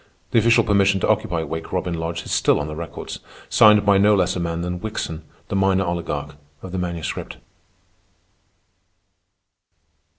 The official permission to occupy Wake Robin Lodge is still on the records, signed by no less a man than Wickson, the minor oligarch of the Manuscript.